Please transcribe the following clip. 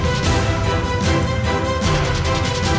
saya akan menjaga kebenaran raden